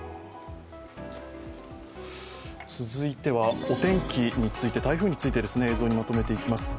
続いてはお天気について、台風について映像にまとめていきます。